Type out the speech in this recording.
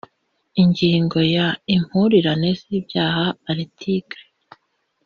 ingingo ya impurirane z ibyaha article